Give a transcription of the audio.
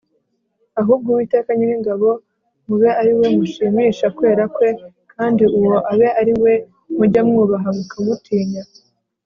ahubwo uwiteka nyiringabo mube ari we mushimisha kwera kwe, kandi uwo abe ari we mujya mwubaha mukamutinya